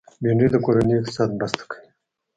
بېنډۍ د کورني اقتصاد مرسته کوي